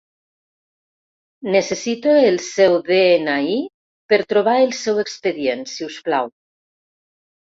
Necessito el seu de-ena-i per trobar el seu expedient, si us plau.